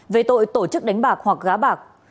về tội tổ chức đánh bạc hoặc gá bạc